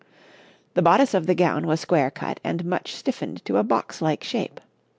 The bodice of the gown was square cut and much stiffened to a box like shape.